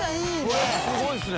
これすごいですね。